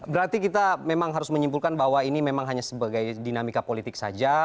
berarti kita memang harus menyimpulkan bahwa ini memang hanya sebagai dinamika politik saja